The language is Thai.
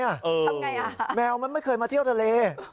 ทำไงอ่ะแมวมันไม่เคยมาเที่ยวทะเล